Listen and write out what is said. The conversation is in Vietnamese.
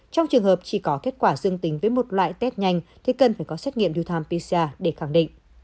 trong trường hợp chỉ có kết quả dương tính với một loại test nhanh thì cần phải có xét nghiệm reuthampia để khẳng định